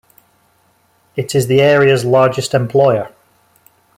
It is the area's largest employer.